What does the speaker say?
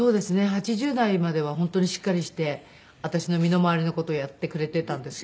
８０代までは本当にしっかりして私の身の回りの事をやってくれていたんですよ。